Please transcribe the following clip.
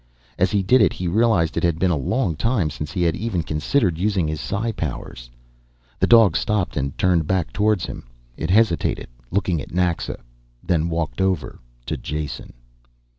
As he did it he realized it had been a long time since he had even considered using his psi powers. The dog stopped and turned back towards him. It hesitated, looking at Naxa, then walked over to Jason.